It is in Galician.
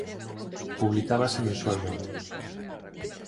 Publicábase mensualmente.